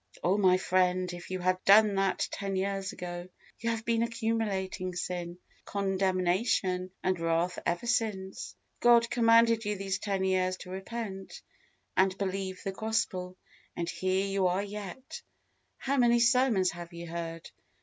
Oh! my friend, if you had done that ten years ago! You have been accumulating sin, condemnation, and wrath ever since. God commanded you these ten years to repent, and believe the Gospel, and here you are yet. How many sermons have you heard?